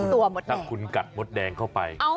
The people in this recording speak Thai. ถ้าคุณกัดมดแดงเข้าไป